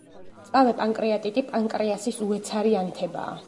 მწვავე პანკრეატიტი პანკრეასის უეცარი ანთებაა.